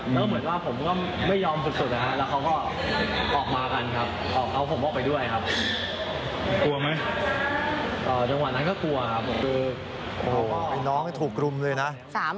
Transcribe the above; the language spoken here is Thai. แล้วเหมือนว่าผมก็ไม่ยอมสุดครับ